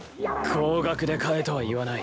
高額で買えとは言わない。